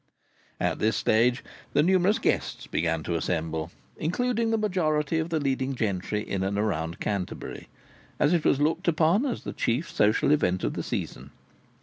At this stage the numerous guests began to assemble, including the majority of the leading gentry in and around Canterbury, as it was looked upon as the chief social event of the season.